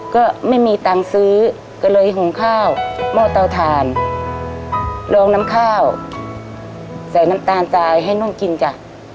ก็ไม่มีตังค์ซื้อก็เลยหุงข้าวหม้อเตาถ่านลองน้ำข้าวใส่น้ำตาลทรายให้นุ่มกินจ้ะ